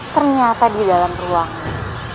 ternyata di dalam ruang ini